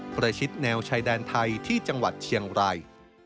ประชิดแนวชายแดนไทยที่จังหวัดเชียงราย